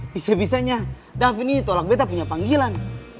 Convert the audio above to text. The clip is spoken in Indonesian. bisa bisanya daphne ini tolak betta punya panggilan